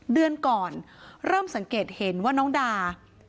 เดือนก่อนเริ่มสังเกตเห็นว่าน้องดา